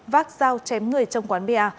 vác giao chém người trong quán pa